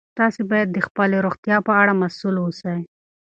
تاسي باید د خپلې روغتیا په اړه مسؤل اوسئ.